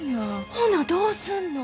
ほなどうすんの。